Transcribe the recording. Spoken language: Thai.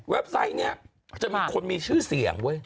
เว็บไซต์เนี่ยจะมีคนมีชื่อเสียงเว้ย